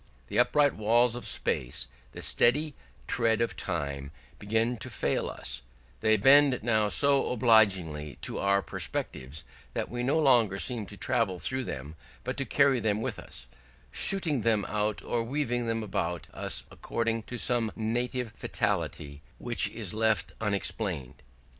The upright walls of space, the steady tread of time, begin to fail us; they bend now so obligingly to our perspectives that we no longer seem to travel through them, but to carry them with us, shooting them out or weaving them about us according to some native fatality, which is left unexplained.